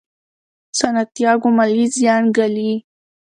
سانتیاګو مالي زیان ګالي.